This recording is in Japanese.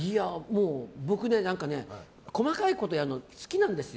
僕、細かいことやるの好きなんですよ。